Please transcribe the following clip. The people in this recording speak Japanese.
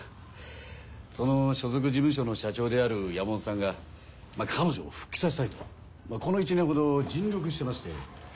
その所属事務所の社長である山本さんが彼女を復帰させたいとこの１年ほど尽力してまして。